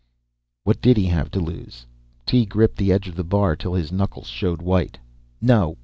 What did he have to lose? Tee gripped the edge of the bar till his knuckles showed white. "No!